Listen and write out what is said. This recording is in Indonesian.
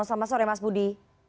selamat sore mas budi